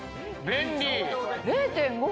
便利！